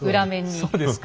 そうですか？